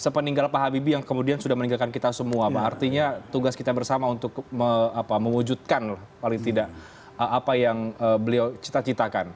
sepeninggal pak habibie yang kemudian sudah meninggalkan kita semua pak artinya tugas kita bersama untuk mewujudkan paling tidak apa yang beliau cita citakan